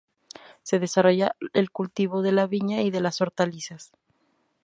Se desarrolla el cultivo de la viña y de las hortalizas.